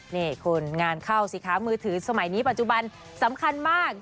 นี่คุณงานเข้าสิคะมือถือสมัยนี้ปัจจุบันสำคัญมาก